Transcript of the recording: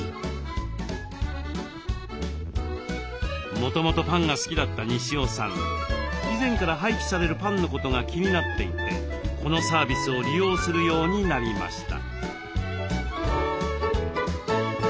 もともとパンが好きだった西尾さん以前から廃棄されるパンのことが気になっていてこのサービスを利用するようになりました。